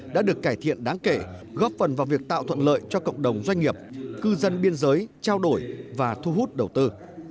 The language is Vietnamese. đã được cải thiện đáng kể góp phần vào việc tạo thuận lợi cho cộng đồng doanh nghiệp cư dân biên giới trao đổi và thu hút đầu tư